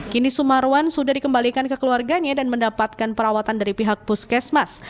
kini sumarwan sudah dikembalikan ke keluarganya dan mendapatkan perawatan dari pihak puskesmas